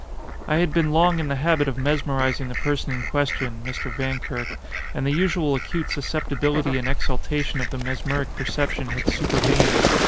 I had been long in the habit of mesmerizing the person in question (Mr. Vankirk), and the usual acute susceptibility and exaltation of the mesmeric perception had supervened.